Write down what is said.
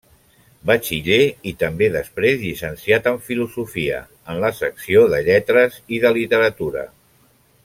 Batxiller i també després llicenciat en Filosofia, en la secció de Lletres i de Literatura.